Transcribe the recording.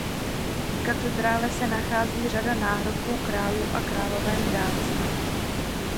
V katedrále se nachází řada náhrobků králů a královen Dánska.